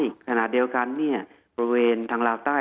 ในขณะเดียวกันจุดออกไปทางลาวใต้